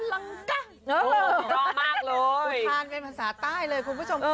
อ๋อลองเก๊ะเออรองมากเลยคุณผ้านเป็นภาษาใต้เลยคุณผู้ชมค่ะ